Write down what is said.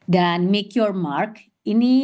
dan make your mark ini